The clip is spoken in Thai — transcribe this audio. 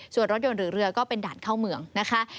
ส่วนรถยนต์หรือเรือก็เป็นด่านเข้าเมืองนะคะ